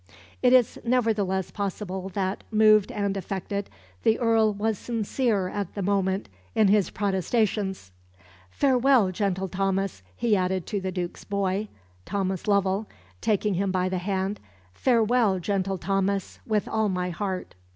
It is nevertheless possible that, moved and affected, the Earl was sincere at the moment in his protestations. "Farewell, gentle Thomas," he added to the Duke's "boy," Thomas Lovell, taking him by the hand, "Farewell, gentle Thomas, with all my heart."